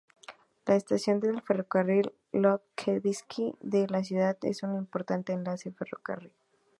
La estación de ferrocarril "Lgov-Kievski" de la ciudad es un importante enlace ferroviario.